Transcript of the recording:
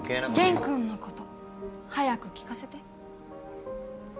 弦君のこと早く聞かせて。